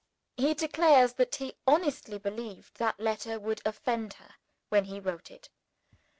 He declares that he honestly believed the letter would offend her, when he wrote it.